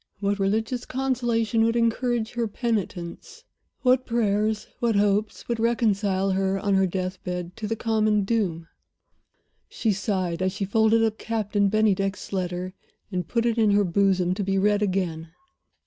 What religious consolations would encourage her penitence? What prayers, what hopes, would reconcile her, on her death bed, to the common doom? She sighed as she folded up Captain Bennydeck's letter and put it in her bosom, to be read again.